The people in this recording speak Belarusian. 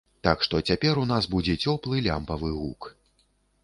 Так што цяпер у нас будзе цёплы лямпавы гук!